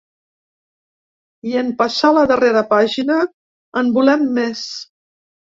I en passar la darrera pàgina, en volem més.